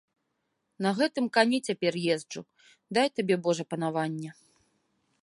На гэтым кані цяпер езджу, дай табе божа панаванне.